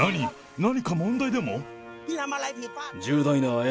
何か問題でも？